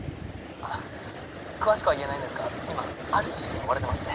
あっ詳しくは言えないんですが今ある組織に追われてまして。